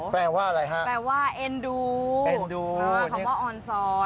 แปลว่าอะไรฮะแปลว่าเอ็นดูเอ็นดูคำว่าออนซอน